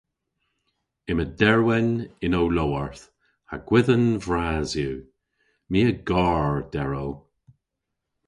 Yma derwen yn ow lowarth ha gwedhen vras yw. My a gar derow